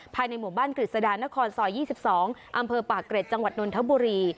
ภายในหมู่บ้านกฤษฎานครซอย๒๒อำเภอปากเกร็ดจังหวัดนนทบุรี